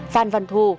phan văn thu